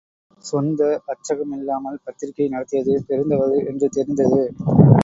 சொந்த அச்சகம் இல்லாமல் பத்திரிக்கை நடத்தியது பெருந்தவறு என்று தெரிந்தது.